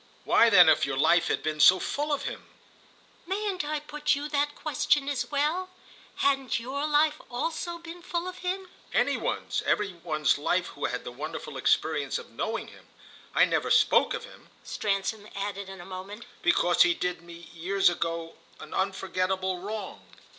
"Why then, if your life had been so full of him?" "Mayn't I put you that question as well? Hadn't your life also been full of him?" "Any one's, every one's life who had the wonderful experience of knowing him. I never spoke of him," Stransom added in a moment, "because he did me—years ago—an unforgettable wrong."